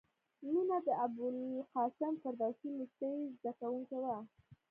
مینه د ابوالقاسم فردوسي لېسې زدکوونکې وه